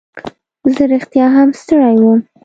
زه رښتیا هم ستړی وم.